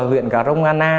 huyện cà rông an a